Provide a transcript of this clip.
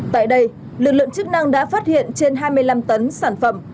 tại đây lực lượng chức năng đã phát hiện trên hai mươi năm tấn sản phẩm